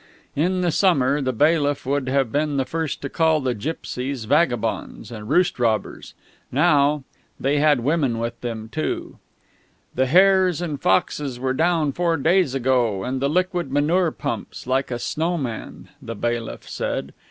In the summer, the bailiff would have been the first to call the gipsies vagabonds and roost robbers; now ... they had women with them too. "The hares and foxes were down four days ago, and the liquid manure pumps like a snow man," the bailiff said....